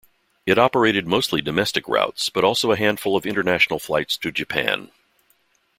It operated mostly domestic routes but also a handful of international flights to Japan.